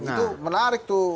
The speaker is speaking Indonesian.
itu menarik tuh